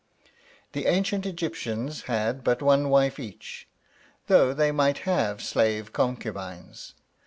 The ancient Egyptians had but one wife each, though they might have slave concubines.